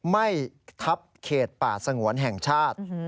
ไม่ทับเขตป่าสงวนแห่งชาติ